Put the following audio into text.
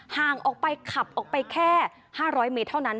ห่างออกไปขับออกไปแค่๕๐๐เมตรเท่านั้น